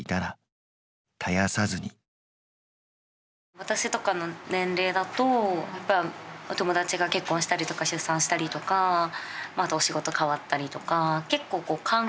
私とかの年齢だとやっぱりお友達が結婚したりとか出産したりとかあとお仕事変わったりとか結構環境が変わっていく。